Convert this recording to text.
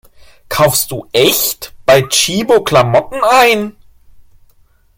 Kaufst du echt bei Tchibo Klamotten ein?